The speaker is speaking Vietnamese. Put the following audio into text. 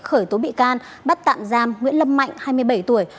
khởi tố bị can bắt tạm giam nguyễn lâm mạnh hai mươi bảy tuổi